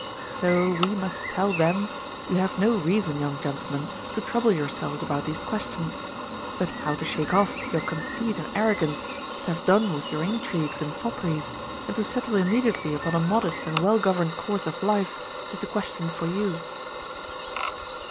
So we must tell them. You have no reason, young gentlemen, to trouble yourselves about these questions ; but how to shake off your conceit and arrogance, to have done with your intrigues and fopperies, and to settle immediately upon a modest and well governed course of life, is the question for you.